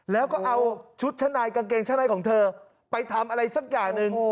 แล้วก็เอาชุดชั้นในกางเกงชั้นในของเธอไปทำอะไรสักอย่างหนึ่ง